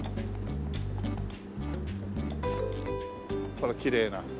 ほらきれいな。